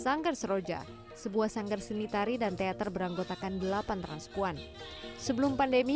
sanggar seroja sebuah sanggar seni tari dan teater beranggotakan delapan transkuan sebelum pandemi